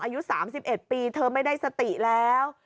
อายุ๓๑ปีเธอไม่ได้สติแล้ว